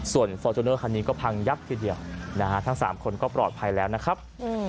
ส่วนคันนี้ก็พังยับทีเดียวนะฮะทั้งสามคนก็ปลอดภัยแล้วนะครับ